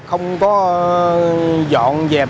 không có dọn dẹp